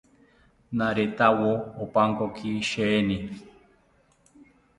Naretawo opankoki sheeni